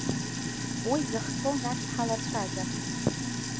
Уи зыхҟьо нас ҳалацәажәап.